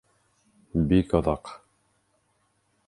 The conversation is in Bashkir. Бик оҙаҡ.